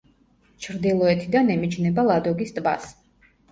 ჩრდილოეთიდან ემიჯნება ლადოგის ტბას.